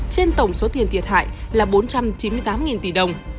trên tổng số tiền thiệt hại là bốn trăm chín mươi tám tỷ đồng